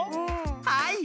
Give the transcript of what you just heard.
はい。